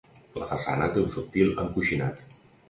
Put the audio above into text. La façana té un subtil encoixinat.